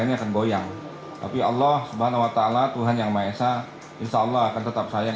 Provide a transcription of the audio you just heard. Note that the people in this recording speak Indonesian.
ini akan goyang tapi allah subhanahu wa ta'ala tuhan yang maha esa insyaallah akan tetap sayang